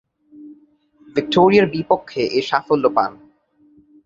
ভিক্টোরিয়ার বিপক্ষে এ সাফল্য পান।